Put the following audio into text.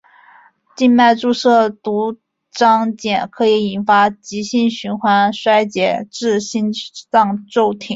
静脉注射毒蕈碱可以引发急性循环衰竭至心脏骤停。